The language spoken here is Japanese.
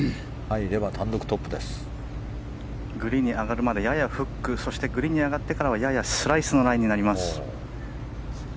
グリーンに上がるまでややフックグリーンに上がってからはややスライスのラインです。